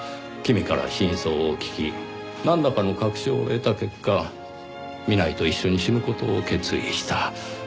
君から真相を聞きなんらかの確証を得た結果南井と一緒に死ぬ事を決意した。